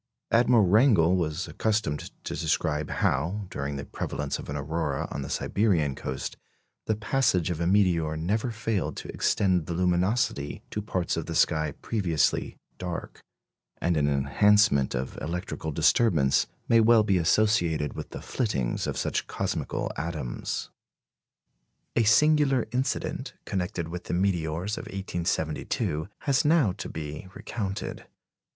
Admiral Wrangel was accustomed to describe how, during the prevalence of an aurora on the Siberian coast, the passage of a meteor never failed to extend the luminosity to parts of the sky previously dark; and an enhancement of electrical disturbance may well be associated with the flittings of such cosmical atoms. A singular incident connected with the meteors of 1872 has now to be recounted.